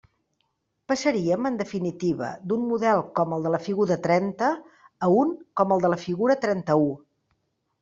Passaríem en definitiva d'un model com el de la figura trenta a un com el de la figura trenta-u.